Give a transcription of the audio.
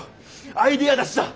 アイデア出しだ。